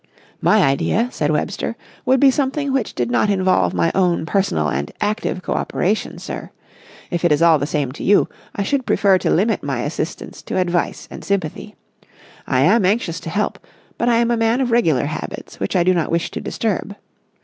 "My idea," said Webster, "would be something which did not involve my own personal and active co operation, sir. If it is all the same to you, I should prefer to limit my assistance to advice and sympathy. I am anxious to help, but I am a man of regular habits, which I do not wish to disturb.